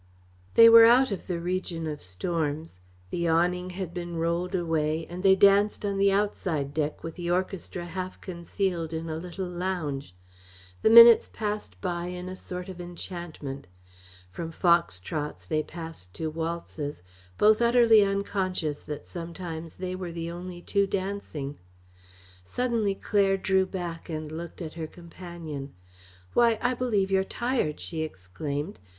They were out of the region of storms. The awning had been rolled away and they danced on the outside deck with the orchestra half concealed in a little lounge. The minutes passed by in a sort of enchantment. From fox trots they passed to waltzes, both utterly unconscious that sometimes they were the only two dancing. Suddenly Claire drew back and looked at her companion. "Why, I believe you're tired!" she exclaimed.